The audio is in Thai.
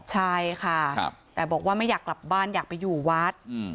ใช่ค่ะแต่บอกว่าไม่อยากกลับบ้านอยากไปอยู่วัด